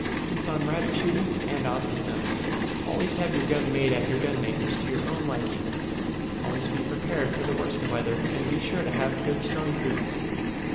HINTS ON RABBIT SHOOTING. Always have your gun made at your gunmaker's to your own liking. Always be prepared for the worst of weather, and be sure to have good strong boots.